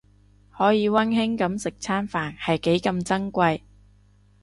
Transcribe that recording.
可以溫馨噉食餐飯係幾咁珍貴